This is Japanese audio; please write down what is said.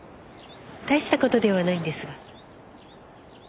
大した事ではないんですが。